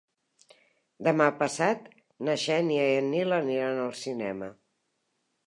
Demà passat na Xènia i en Nil aniran al cinema.